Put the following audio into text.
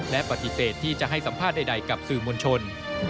และปฏิเสธที่จะให้สัมภาษณ์ใดกับสื่อมวลชน